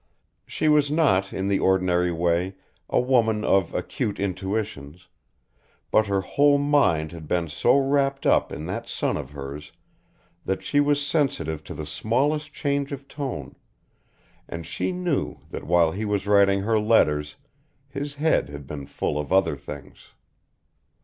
She was not in the ordinary way a woman of acute intuitions, but her whole mind had been so wrapped up in that son of hers that she was sensitive to the smallest changes of tone, and she knew that while he was writing her letters his head had been full of other things.